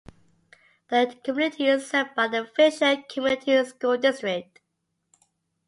The community is served by the Fisher Community Unit School District.